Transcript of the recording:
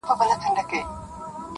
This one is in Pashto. چي پوره یې کړه د خپل سپي ارمانونه,